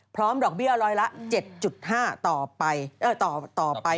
พร้อมหลอกเบี้ยร้อยละ๗๕ต่อไป